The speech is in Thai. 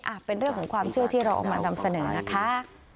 เป็นเรื่องของความเชื่อที่เราเอามานำเสนอนะคะ